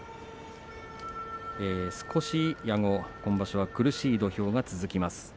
少し矢後、今場所は苦しい土俵が続きます。